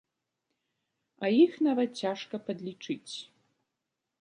А іх нават цяжка падлічыць.